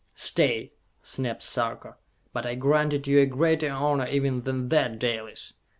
"Stay!" snapped Sarka. "But I granted you a greater honor even than that, Dalis!